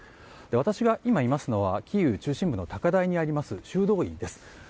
私が今いますのはキーウの高台にあります修道院です。